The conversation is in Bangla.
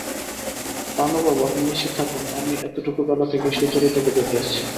পানুবাবু, আপনি নিশ্চিত থাকুন, আমি এতটুকুবেলা থেকেই সুচরিতাকে দেখে আসছি।